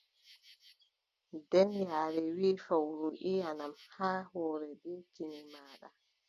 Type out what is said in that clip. Nden yaare wii fowru: iʼanam haa hoore bee kine maaɗa.